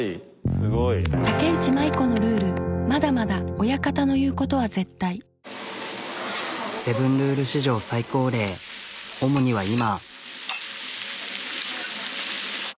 すごい。「セブンルール」史上最高齢オモニは今。